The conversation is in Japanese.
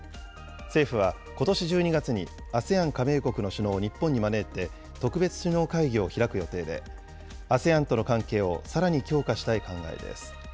政府は、ことし１２月にＡＳＥＡＮ加盟国首脳を日本に招いて、特別首脳会議を開く予定で、ＡＳＥＡＮとの関係をさらに強化したい考えです。